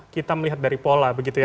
kita melihat dari pola begitu ya